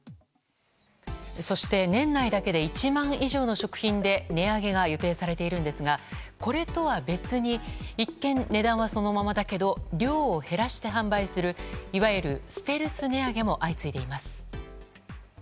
そして年内だけで１万以上の食品で値上げが予定されているんですがこれとは別に一見値段はそのままだけど量を減らして販売するいわゆるステルス値上げも相次いでいます。